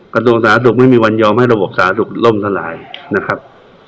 กระทรวงสาธารณสุขไม่มีวันยอมให้ระบบสาธารณสุขล่มทลายนะครับ